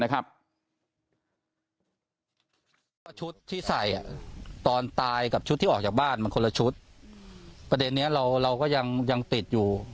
มันคละชุดประเด็นนี้เราเราก็ยังยังติดอยู่